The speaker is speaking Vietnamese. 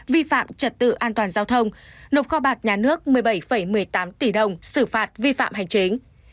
vi phạm trật tự an toàn giao thông nộp kho bạc nhà nước một mươi bảy một mươi tám tỷ đồng xử phạt vi phạm hành chính